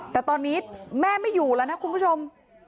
แต่ตอนนี้แม่ไม่อยู่แล้วนะคุณผู้ชม